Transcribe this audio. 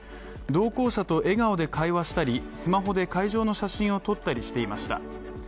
同行者と笑顔で会話したりスマホで会場の写真を撮ったりしていました。